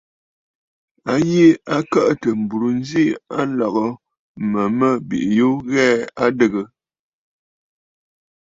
A yi a kəʼə̀tə̀ m̀burə nzi a nlɔ̀gə mə̀ mə bìʼiyu ghɛɛ a adɨgə.